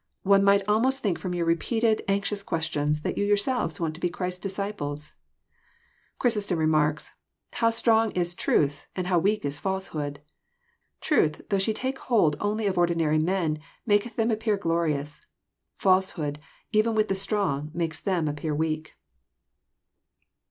<' One might almost think, fk*om your repeated, anxious questions, that you yourselves want to be Christ's disciples." Chrysostom remarks :*< How strong Is truth, and how weak is falsehood ! Truth, though she take hold only of ordinary men, mtdceth them appear glorious ; falsehood, even with the strong, makes them appear weak."